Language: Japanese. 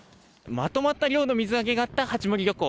まとまった量の水揚げがあった八森漁港。